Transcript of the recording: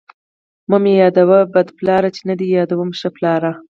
ـ مه مې يادوه بد پلار، چې نه دې يادوم ښه پلار.